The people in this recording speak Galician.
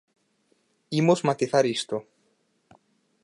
Imos matizar isto.